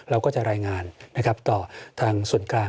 เราก็จะรายงานต่อทางส่วนกลาง